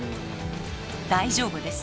大丈夫です。